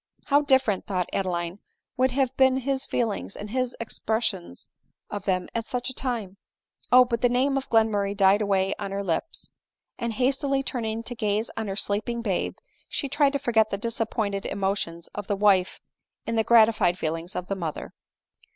" How different," thought Adeline, " would have been his feelings and his expression of them at such a time ! Oh !—" but the name of Glenmurray died away on her lips ; and hastily turning to gaze on her sleeping babe, she tried to forget the disappointed emotions of the wife in the gratified feelings of the mother.